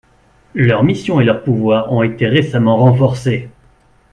Leurs missions et leurs pouvoirs ont été récemment renforcés.